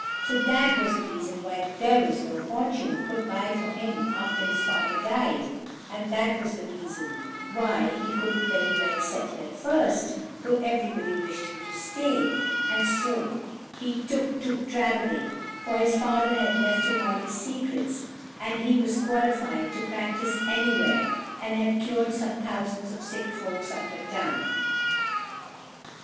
So that was the reason why these was no fortune put by for him after his father died, and that was the reason why he couldn't very well settle at first, though everybody wished him to stay, and so he took to travelling; for his father had left him all his secrets, and he was qualified to practise anywhere, and had cured some thousands of sick folks up and down!